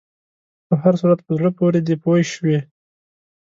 په هر صورت په زړه پورې دی پوه شوې!.